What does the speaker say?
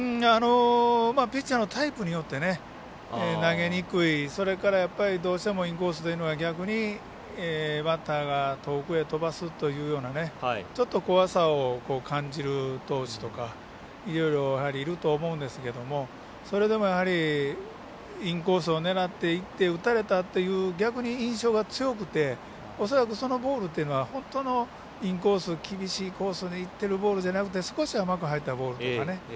ピッチャーのタイプによって投げにくいそれから、どうしてもインコースというのは逆にバッターが遠くへ飛ばすというようなちょっと怖さを感じる投手とかいろいろいると思うんですがそれでも、やはりインコースを狙っていって打たれたっていう逆に印象が強くて恐らく、そのボールというのは本当のインコース厳しいコースでいっているボールじゃなくて少し、甘く入ったボールとかね。